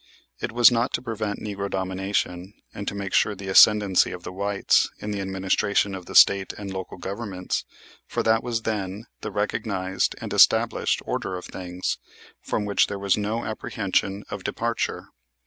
It was not to prevent "Negro Domination" and to make sure the ascendency of the whites in the administration of the State and local governments; for that was then the recognized and established order of things, from which there was no apprehension of departure.